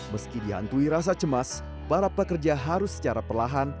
meski dihantui rasa cemas para pekerja harus secara perlahan